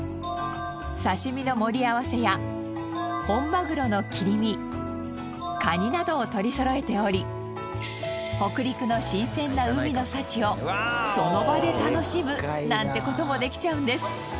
刺身の盛り合わせや本マグロの切り身カニなどを取りそろえており北陸の新鮮な海の幸をその場で楽しむなんて事もできちゃうんです。